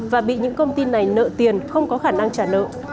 và bị những công ty này nợ tiền không có khả năng trả nợ